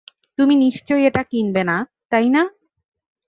তুমি নিশ্চয়ই এটা কিনবে না, তাই না?